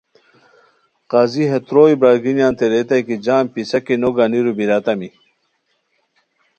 قاضی ہے تروئے برار گینیانتے ریتائے کی جام پِسہ کی نو گانیرو بیریتامی